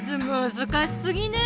難しすぎね